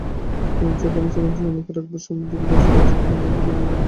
আমরা যেখানে ছিলাম তার একেবারে সামনে দিয়ে বয়ে চলেছে টলটলে পাহাড়ি নদী রিয়াংখং।